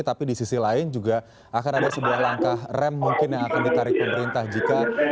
tapi di sisi lain juga akan ada sebuah langkah rem mungkin yang akan ditarik pemerintah jika